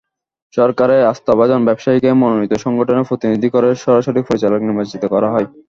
সরকারের আস্থাভাজন ব্যবসায়ীকে মনোনীত সংগঠনেরই প্রতিনিধি করে সরাসরি পরিচালক নির্বাচিত করা হয়।